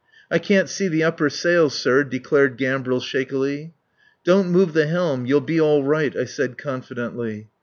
"I can't see the upper sails, sir," declared Gambril shakily. "Don't move the helm. You'll be all right," I said confidently.